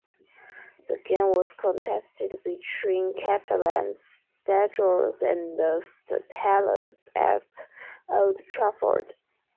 The game was contested between Catalans Dragons and St Helens at Old Trafford.